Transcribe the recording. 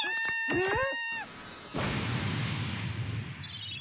うん！